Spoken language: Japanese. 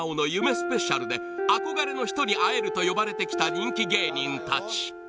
スペシャルで憧れの人に会えると呼ばれて来た人気芸人達